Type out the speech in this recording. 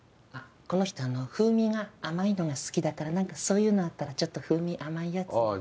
あっこの人風味が甘いのが好きだから何かそういうのあったらちょっと風味甘いやつあ